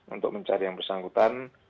untuk mencari yang bersangkutan